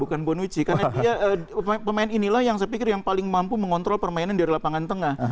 karena dia pemain inilah yang saya pikir yang paling mampu mengontrol permainan dari lapangan tengah